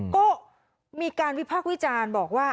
ก็มีการวิพากษ์วิจารณ์บอกว่า